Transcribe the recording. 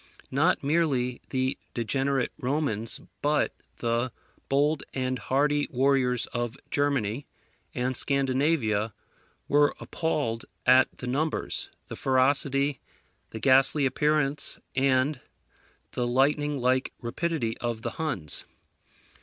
Not merely the degenerate Romans, but the bold and hardy warriors of Germany and Scandinavia were appalled at the numbers, the ferocity, the ghastly appearance, and the lightning like rapidity of the Huns.